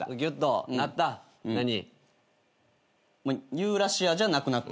ユーラシアじゃなくなった。